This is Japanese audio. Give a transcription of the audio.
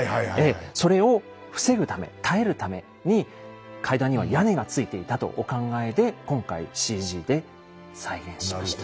それを防ぐため耐えるために階段には屋根がついていたとお考えで今回ＣＧで再現しました。